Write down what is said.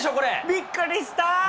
びっくりした。